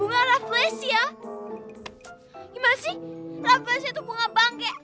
gimana sih rafflesia itu bunga bangke